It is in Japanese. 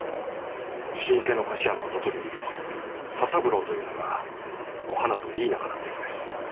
老舗の菓子屋の跡取り息子佐三郎というのがおはなといい仲だったようです。